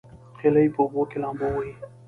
هیلۍ په اوبو کې لامبو وهي